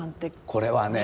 これはね